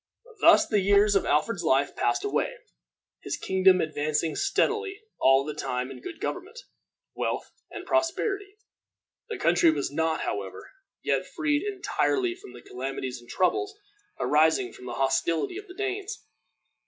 Thus the years of Alfred's life passed away, his kingdom advancing steadily all the time in good government, wealth, and prosperity. The country was not, however, yet freed entirely from the calamities and troubles arising from the hostility of the Danes.